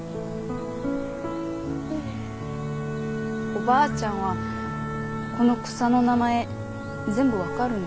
おばあちゃんはこの草の名前全部分かるんですか？